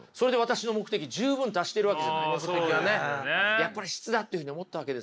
やっぱり「質」だっていうふうに思ったわけですよね。